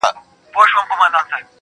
لږه توده سومه زه,